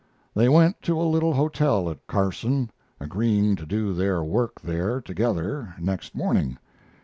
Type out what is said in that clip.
They went to a little hotel at Carson, agreeing to do their work there together next morning.